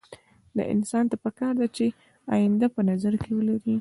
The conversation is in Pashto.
انسان ته پکار ده چې اينده په نظر کې ولري.